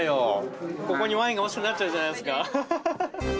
ここにワインが欲しくなっちゃうじゃないですか。